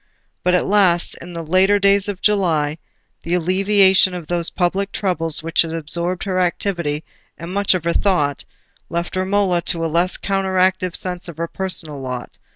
But at last, in the later days of July, the alleviation of those public troubles which had absorbed her activity and much of her thought, left Romola to a less counteracted sense of her personal lot.